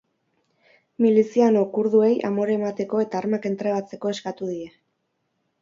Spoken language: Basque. Miliziano kurduei amore emateko eta armak entregatzeko eskatu die.